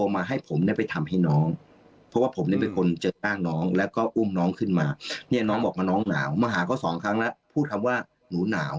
มาหาก็สองครั้งแล้วพูดคำว่าหนูหนาวหนูหนาว